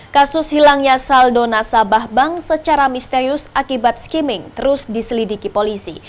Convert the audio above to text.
kasus hilangnya saldo nasabah bank secara misterius akibat skimming terus diselidiki polisi